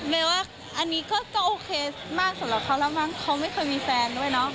ว่าอันนี้ก็โอเคมากสำหรับเขาแล้วมั้งเขาไม่เคยมีแฟนด้วยเนาะ